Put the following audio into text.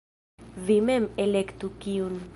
Vi mem elektu, kiun.